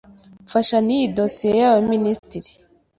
Mfasha niyi dosiye y'abaminisitiri.